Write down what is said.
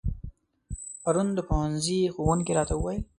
پرون د پوهنځي ښوونکي راته و ويل